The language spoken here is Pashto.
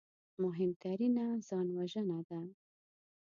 مهمترینه ځانوژنه ده